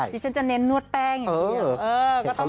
ที่ฉันจะเน้นนวดแป้งอย่างเดียว